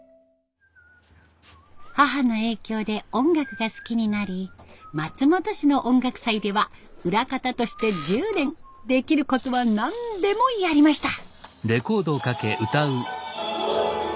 母の影響で音楽が好きになり松本市の音楽祭では裏方として１０年できることは何でもやりました。